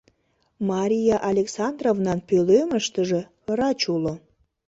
Мария Александровнан пӧлемыштыже врач уло.